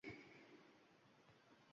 Yuragiga shohning qanot —